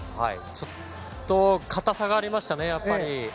ちょっと硬さがありましたね。